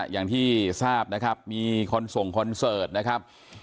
อย่างที่ทราบนะครับมีคนส่งคอนเสิร์ตนะครับ